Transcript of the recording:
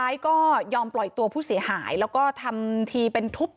อันนี้ผู้หญิงบอกว่าช่วยด้วยหนูไม่ได้เป็นอะไรกันเขาจะปั้มหนูอะไรอย่างนี้